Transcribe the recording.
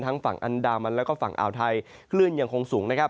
ทั้งฝั่งอันดามันและฝั่งอ่าวไทยคลื่นอย่างคงสูง